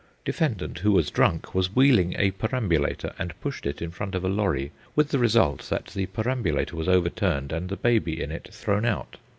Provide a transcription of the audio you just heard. Defendant, who was drunk, was wheeling a perambulator and pushed it in front of a lorry, with the result that the perambulator was overturned and the baby in it thrown out.